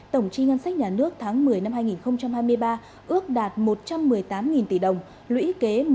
tổng trị ngân sách nhà nước tháng một mươi năm hai nghìn hai mươi ba ước đạt một trăm tám mươi tám tám nghìn tỷ đồng bằng bảy mươi chín tám dự toán năm và giảm hai mươi một chín